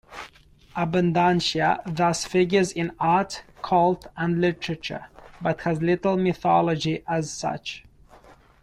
Abundantia thus figures in art, cult, and literature, but has little mythology as such.